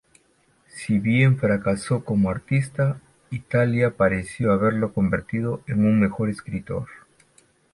Si bien fracasó como artista, Italia pareció haberlo convertido en un mejor escritor.